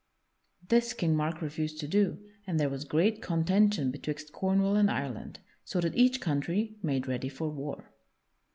This King Mark refused to do, and there was great contention betwixt Cornwall and Ireland, so that each country made ready for war.